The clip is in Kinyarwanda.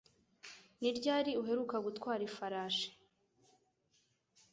Ni ryari uheruka gutwara ifarashi?